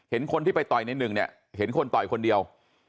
คนที่ไปต่อยในหนึ่งเนี่ยเห็นคนต่อยคนเดียว